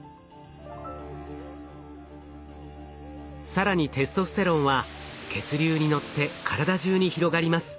更にテストステロンは血流に乗って体じゅうに広がります。